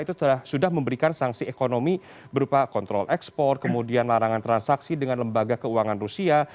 itu sudah memberikan sanksi ekonomi berupa kontrol ekspor kemudian larangan transaksi dengan lembaga keuangan rusia